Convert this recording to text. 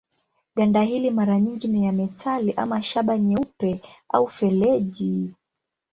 Ganda hili mara nyingi ni ya metali ama shaba nyeupe au feleji.